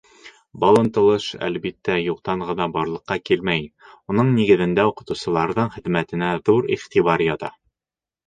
Был ынтылыш, әлбиттә, юҡтан ғына барлыҡҡа килмәй, уның нигеҙендә уҡытыусыларҙың хеҙмәтенә ҙур иғтибар ята.